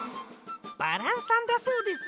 「バラン」さんだそうです。